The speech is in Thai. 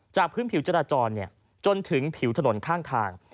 พื้นผิวจราจรจนถึงผิวถนนข้างทาง